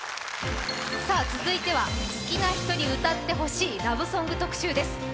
続いては好きな人に歌ってほしいラブソング特集です。